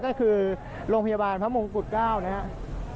ก็คือโรงพยาบาลพระมงกุฎ๙นะครับ